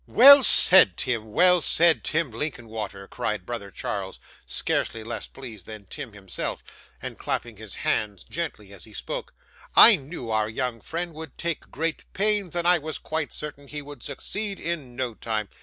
'Well said, Tim well said, Tim Linkinwater!' cried brother Charles, scarcely less pleased than Tim himself, and clapping his hands gently as he spoke. 'I knew our young friend would take great pains, and I was quite certain he would succeed, in no time.